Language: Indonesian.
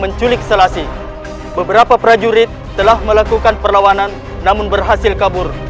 menculik selasi beberapa prajurit telah melakukan perlawanan namun berhasil kabur